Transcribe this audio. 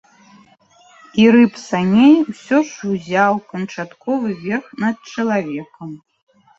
І рып саней усё ж узяў канчатковы верх над чалавекам.